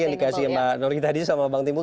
yang dikasih mbak noriyu tadi sama bank timbul